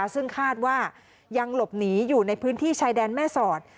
ซึ่งคาดว่ายังหลบหนีอยู่ในพื้นที่ชายแดนแม่สอด